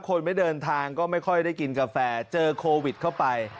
คนไม่เดินทางก็ไม่ค่อยได้กินกาแฟเจอโควิดเข้าไป